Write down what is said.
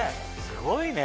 すごいね。